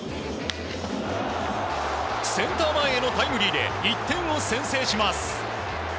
センター前へのタイムリーで１点を先制します。